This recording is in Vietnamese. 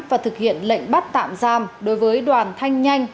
và thực hiện lệnh bắt tạm giam đối với đoàn thanh nhanh